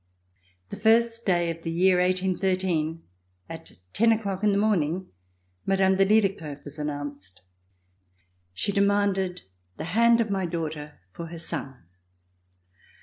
The first day of the year 1813, at ten o'clock in the morning, Mme. de Liedekerke was announced. She demanded the hand of my daughter for her son.